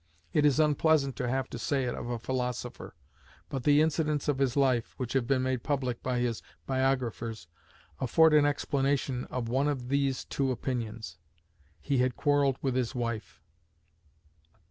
It is unpleasant to have to say it of a philosopher, but the incidents of his life which have been made public by his biographers afford an explanation of one of these two opinions: he had quarrelled with his wife.